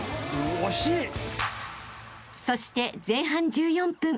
［そして前半１４分］